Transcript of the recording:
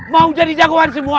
mau jadi jagoan semua